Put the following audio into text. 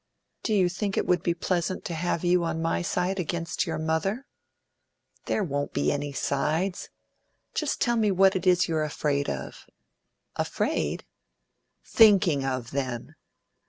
"Do you think it would be pleasant to have you on my side against your mother?" "There won't be any sides. Tell me just what it is you're afraid of." "Afraid?" "Thinking of, then."